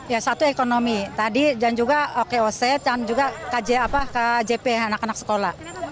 ya satu ekonomi tadi dan juga okoc dan juga kjp anak anak sekolah